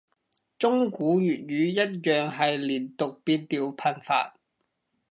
中古粵語一樣係連讀變調頻繁